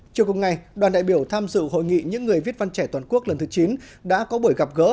chiều cùng ngày đoàn đại biểu tham dự hội nghị những người viết văn trẻ toàn quốc lần thứ chín đã có buổi gặp gỡ